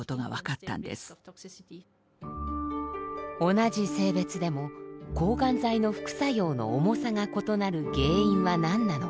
同じ性別でも抗がん剤の副作用の重さが異なる原因は何なのか？